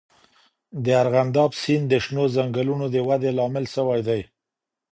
د ارغنداب سیند د شنو ځنګلونو د ودې لامل سوی دی.